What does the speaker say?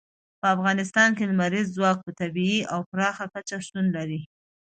په افغانستان کې لمریز ځواک په طبیعي او پراخه کچه شتون لري.